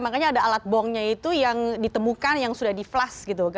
makanya ada alat bongnya itu yang ditemukan yang sudah di flush